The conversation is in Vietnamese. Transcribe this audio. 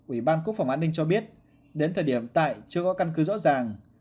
ủy ban quốc phòng an ninh cho biết đến thời điểm tại chưa có căn cứ rõ ràng